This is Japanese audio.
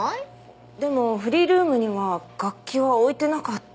でもフリールームには楽器は置いてなかった。